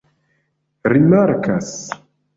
rimarkas